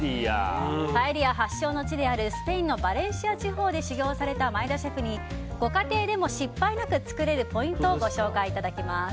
パエリア発祥の地であるスペインのバレンシア地方で修業された前田シェフにご家庭でも失敗なく作れるポイントをご紹介いただきます。